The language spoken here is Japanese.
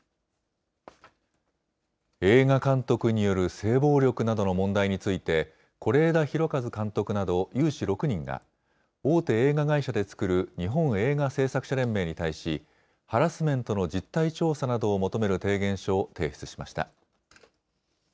映画監督による性暴力などの問題について、是枝裕和監督など有志６人が、大手映画会社で作る日本映画製作者連盟に対し、ハラスメントの実態調査などを求める提言書を提出しました。